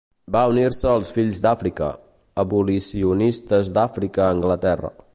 Va unir-se als Fills d'Àfrica, abolicionistes d'Àfrica a Anglaterra.